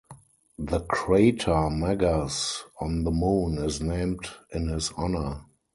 The crater Meggers on the Moon is named in his honor.